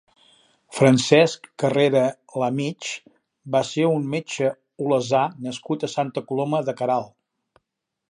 Francesc Carrera Lamich va ser un metge olesà nascut a Santa Coloma de Queralt.